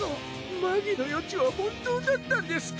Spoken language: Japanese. マギの予知は本当だったんですか！？